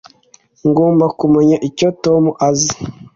ngomba kumenya icyo tom azi